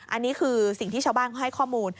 อันนี้คือสิ่งที่ชาวบ้านเขาให้ข้อมูล